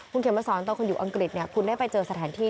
คุณเขียนมาสอนตอนคุณอยู่อังกฤษคุณได้ไปเจอสถานที่